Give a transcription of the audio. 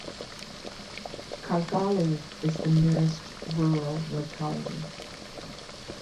Kargaly is the nearest rural locality.